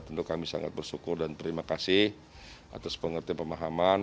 tentu kami sangat bersyukur dan terima kasih atas pengertian pemahaman